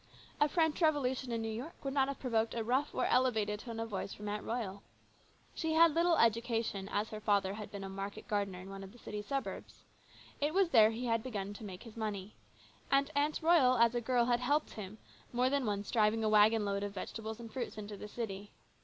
A French revolution in New York would not have provoked a rough or elevated tone of voice from Aunt Royal. She had little education, as her father had been a market gardener in one of the city suburbs. It was there he had begun to make his money. And Aunt Royal as a girl had helped him, more than once driving a wagon load of vegetables and fruits into the city.